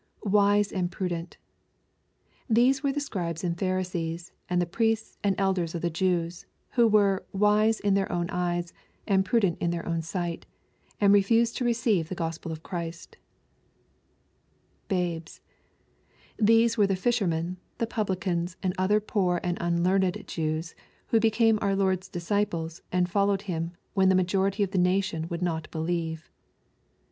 [Wise and prudent^ These were the Scribes and Pharisees, and Priests, and Elders of the Jews, who were " wise in their own eyes, and prudent in their own sight," and reiiised to receive the Gospel of Christ [Babes^ These were the fishermen, the publicans, and other poor and unlearned Jews, who became our Lord's disciples, and followed Him, when the majority of the nation would not believe.